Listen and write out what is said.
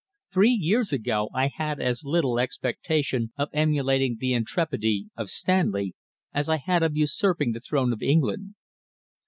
Three years ago I had as little expectation of emulating the intrepidity of Stanley as I had of usurping the throne of England.